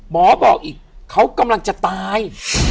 หมอบอกอีกเขากำลังจะตาย